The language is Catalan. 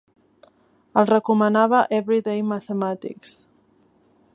El recomana Everyday Mathematics.